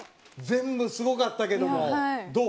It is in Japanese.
全部すごかったけどもどう？